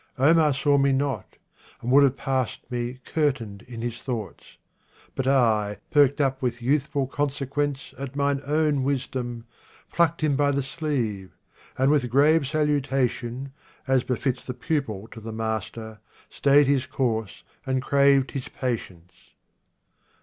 Omar saw me not, And would have passed me curtained in his thoughts ; But I, perked up with youthful consequence At mine own wisdom, plucked him by the sleeve, And with grave salutation, as befits The pupil to the master, stayed his course And craved his patience.